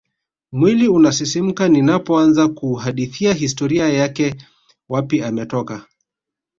Mwiliunasisimka ninapoanza kuhadithia historia yake wapi ametoka